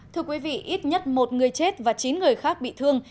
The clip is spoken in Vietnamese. thưa quý vị ít nhất một người chết và chín người khác bị thương